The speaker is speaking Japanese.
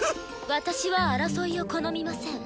私は争いを好みません。